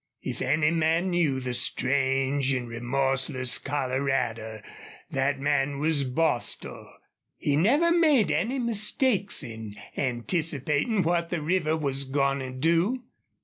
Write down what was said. If any man knew the strange and remorseless Colorado, that man was Bostil. He never made any mistakes in anticipating what the river was going to do.